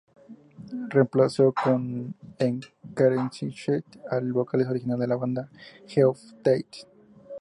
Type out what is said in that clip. Reemplazó en Queensrÿche al vocalista original de la banda, Geoff Tate.